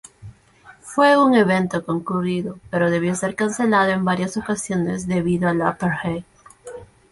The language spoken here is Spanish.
Fue un evento concurrido, pero debió ser cancelado en varias ocasiones debido al apartheid.